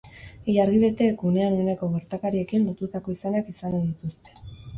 Ilargi beteek unean uneko gertakariekin lotutako izenak izan ohi dituzte.